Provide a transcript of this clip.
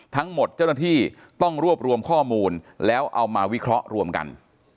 ทั้งหมดเจ้าหน้าที่ต้องรวบรวมข้อมูลแล้วเอามาวิเคราะห์รวมกัน